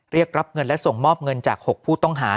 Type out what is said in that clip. เรียกรับเงินและส่งมอบเงินจาก๖ผู้ต้องหา